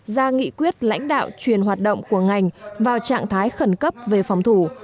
ra nghị quyết lãnh đạo truyền hoạt động của ngành vào trạng thái khẩn cấp về phòng thủ